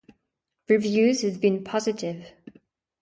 Reviews have been positive.